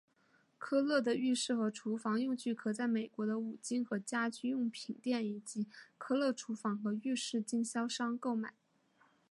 科勒的浴室和厨房用具可在美国的五金和家居用品店以及科勒厨房和浴室经销商购买。